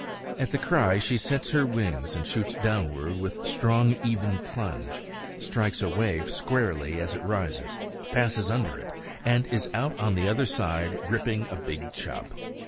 At the cry she sets her wings and shoots downward with strong, even plunge, strikes a wave squarely as it rises, passes under it, and is out on the other side gripping a big chub.